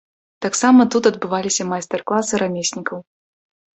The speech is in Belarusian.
Таксама тут адбываліся майстар-класы рамеснікаў.